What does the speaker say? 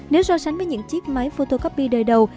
nếu so sánh với những chiếc máy photocopy đời đầu